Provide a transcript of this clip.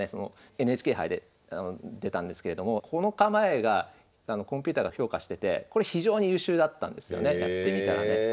ＮＨＫ杯で出たんですけれどもこの構えがコンピューターが評価しててこれ非常に優秀だったんですよねやってみたらね。